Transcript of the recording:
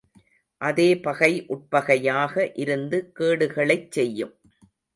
அதே பகை உட்பகையாக இருந்து கேடுகளைச் செய்யும்.